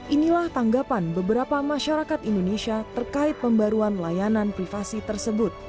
inilah tanggapan beberapa masyarakat indonesia terkait pembaruan layanan privasi tersebut